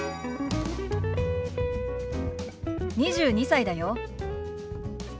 ２２歳だよ。